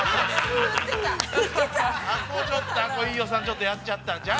◆あそこちょっと飯尾さん、ちょっとやっちゃったんちゃう？